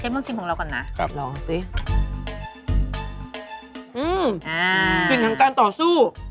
เช็ดมันชิมของเราก่อนนะลองสิอื้มกินทางการต่อสู้